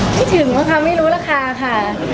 ไม่ถึงนะคะไม่รู้ราคาค่ะ